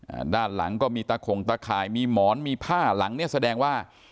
อ่าด้านหลังก็มีตะขงตะข่ายมีหมอนมีผ้าหลังเนี้ยแสดงว่า